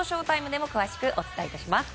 ＳＨＯ‐ＴＩＭＥでも詳しくお伝えします。